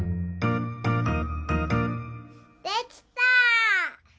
できた！